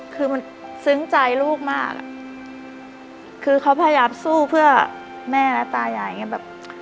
คือมันซึ้งใจลูกมากอ่ะคือเขาพยายามสู้เพื่อแม่และตายายอย่างเงี้แบบ